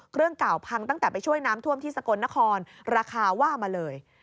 เครื่องเก่าพังตั้งแต่ไปช่วยน้ำท่วมที่สกลนครราคาว่ามาเลย